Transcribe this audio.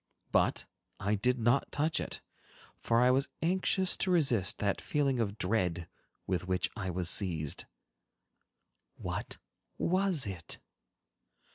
But I did not touch it, for I was anxious to resist that feeling of dread with which I was seized. What was it?